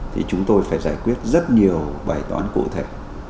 thì chúng tôi phải giải quyết rất nhiều bài toán cụ thể